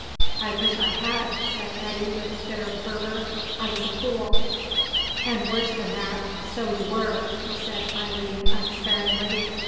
"I wish I had," said Eddy, with bitter fervour. "I was a fool." "And worse than that, so you were," said Eileen, unsparingly.